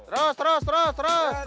terus terus terus terus